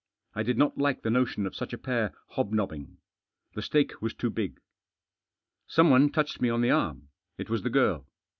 I did not like the notion of such a pair hobnobbing. The stake was too big. Someone touched me on the arm. It was the girl.